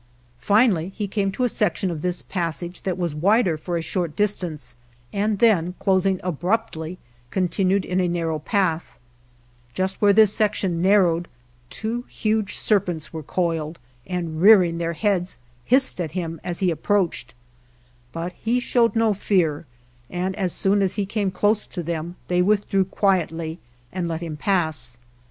Finally he came to a section of this passage that was wider for a short distance, and then closing abruptly continued in a narrow path; just where this section nar rowed two huge serpents were coiled, and rearing their heads, hissed at him as he ap proached, but he showed no fear, and as soon as he came close to them they withdrew quietly and let him pass.